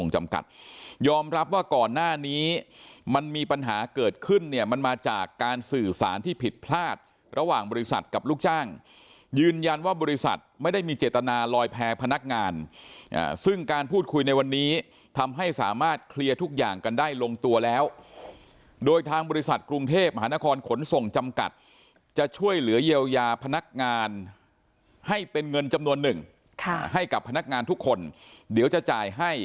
จำกัดยอมรับว่าก่อนหน้านี้มันมีปัญหาเกิดขึ้นเนี่ยมันมาจากการสื่อสารที่ผิดพลาดระหว่างบริษัทกับลูกจ้างยืนยันว่าบริษัทไม่ได้มีเจตนาลอยแพ้พนักงานซึ่งการพูดคุยในวันนี้ทำให้สามารถเคลียร์ทุกอย่างกันได้ลงตัวแล้วโดยทางบริษัทกรุงเทพฯมหานครขนส่งจำกัดจะช่วยเหลือเยี